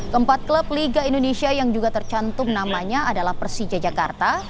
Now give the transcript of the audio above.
keempat klub liga indonesia yang juga tercantum namanya adalah persija jakarta